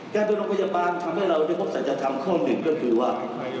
การเป็นโรงพยาบาลทำให้เราได้พบศัตริยธรรมข้อ๑ก็คือว่า